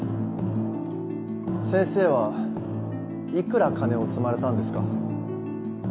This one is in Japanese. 先生は幾ら金を積まれたんですか？